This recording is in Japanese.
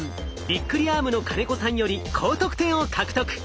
びっくりアームの金子さんより高得点を獲得。